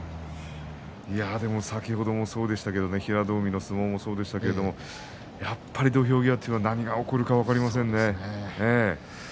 でも先ほどもそうでしたけども平戸海の相撲もそうでしたけどもやはり土俵際で何が起こるか分かりませんね。